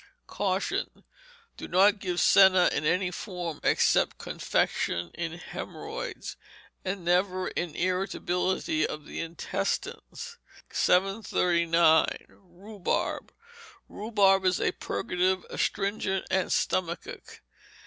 Caution. Do not give senna, in any form except confection, in hemorrhoids, and never in irritability of the intestines. 739. Rhubarb Rhubarb is a purgative, astringent and stomachic.